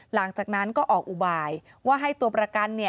หลังจากนั้นก็ออกอุบายว่าให้ตัวประกัน